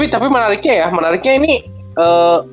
tapi menariknya ya menariknya ini coach meldy itu